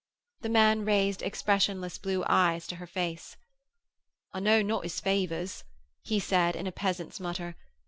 The man raised expressionless blue eyes to her face. 'I know not his favours,' he said in a peasant's mutter.